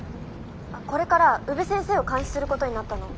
これから宇部先生を監視することになったの。